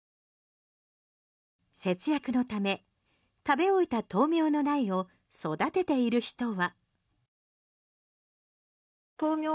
節約のため食べ終えた豆苗の苗を育てている人は。